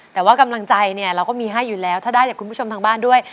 แต่ว่ากำลังใจเนี่ยเราก็มีให้อยู่แล้วถ้าได้จากคุณผู้ชมทางบ้านด้วย